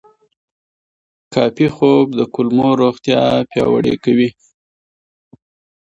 کافي خوب د کولمو روغتیا پیاوړې کوي.